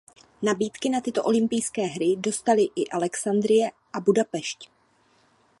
Nabídky na tyto olympijské hry dostaly i Alexandrie a Budapešť.